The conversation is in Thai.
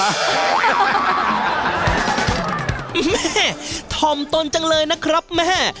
แม่ถ่อมตนจังเลยนะครับแม่